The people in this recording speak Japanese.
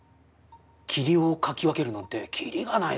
霧をかき分けるなんてキリがないさ。